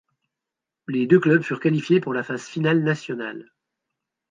Les deux clubs furent qualifiés pour la phase finale nationale.